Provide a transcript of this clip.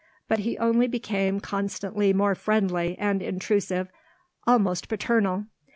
But he only became constantly more friendly and intrusive, almost paternal.